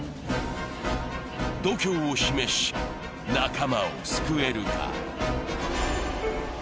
度胸を示し、仲間を救えるか？